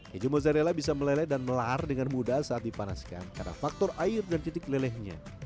keju mozzarella bisa meleleh dan melar dengan mudah saat dipanaskan karena faktor air dan titik lelehnya